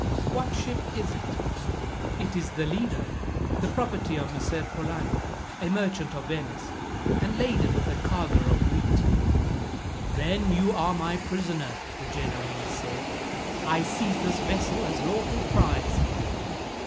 "What ship is it?" "It is the Lido, the property of Messer Polani, a merchant of Venice, and laden with a cargo of wheat." "Then you are my prisoner," the Genoese said. "I seize this vessel as lawful prize."